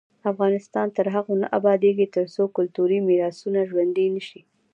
افغانستان تر هغو نه ابادیږي، ترڅو کلتوري میراثونه ژوندي نشي.